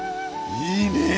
いいねえ。